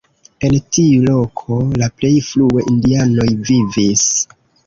En tiu loko la plej frue indianoj vivis.